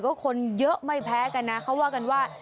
ก็คนเยอะไม่แพ้กันนะเขาว่ากันว่า